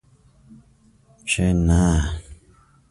چې نه!